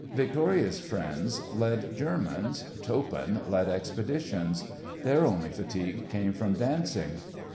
Victoria's friends led germans, Toppan led expeditions; their only fatigue came from dancing.